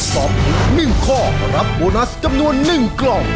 ตอบถูก๑ข้อรับโบนัสจำนวน๑กล่อง